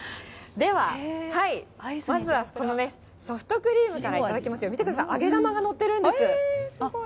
では、まずはこのね、ソフトクリームから頂きますよ、見てください、揚げ玉が載ってるんです。